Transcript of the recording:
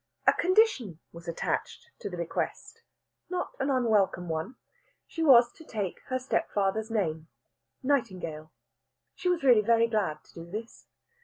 A condition was attached to the bequest not an unwelcome one. She was to take her stepfather's name, Nightingale. She was really very glad to do this.